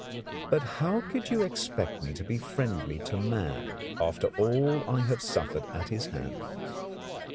But how could you expect me to be friendly to man after all that I have suffered at his hands?